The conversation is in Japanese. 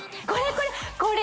これこれ。